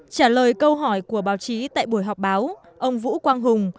trả lời câu hỏi của báo chí tại buổi họp báo ông vũ quang hùng